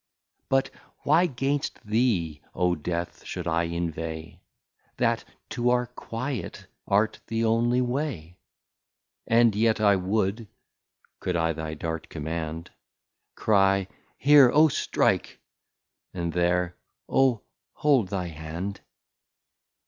But why 'gainst thee, O Death! should I inveigh, That to our Quiet art the only way? And yet I would (could I thy Dart command) Crie, Here O strike! and there O hold thy Hand!